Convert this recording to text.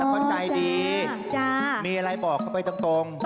แล้วก็ใจดีมีอะไรบอกเข้าไปตรง